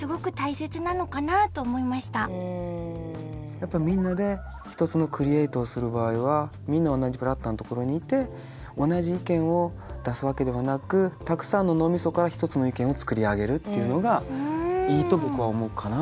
やっぱみんなで１つのクリエートをする場合はみんな同じフラットなところにいて同じ意見を出すわけではなくたくさんの脳みそから１つの意見を作り上げるっていうのがいいと僕は思うかな。